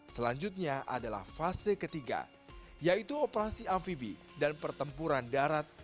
selanjutnya adalah fase ketiga yaitu operasi amfibi dan pertempuran darat